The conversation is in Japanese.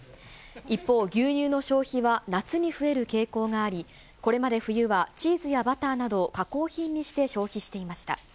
一方、牛乳の消費は夏に増える傾向があり、これまで冬は、チーズやバターなど加工品にして消費していました。